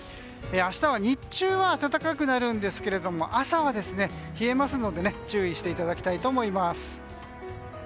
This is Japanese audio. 明日は日中は暖かくなるんですが朝は冷えますので注意していただきたいと思います。